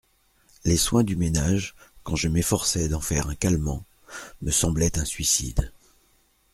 Les soins du ménage, quand je m'efforçais d'en faire un calmant, me semblaient un suicide.